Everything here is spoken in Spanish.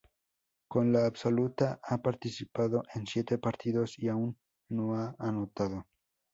Con la absoluta ha participado en siete partidos y aún no ha anotado.